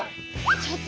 ちょっと！